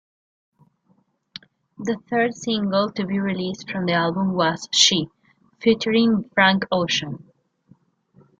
The third single to be released from the album was "She" featuring Frank Ocean.